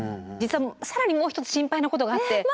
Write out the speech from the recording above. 実は更にもう一つ心配なことがあって。